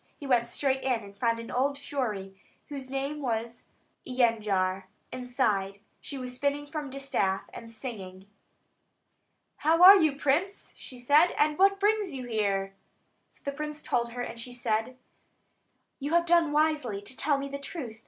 He went straight in, and found an old fury, whose name was Jandza, inside; she was spinning from a distaff, and singing. Jandza pronounced Yen jar. "How are you, prince?" she said, "what brings you here?" So the prince told her, and she said: "You have done wisely to tell me the truth.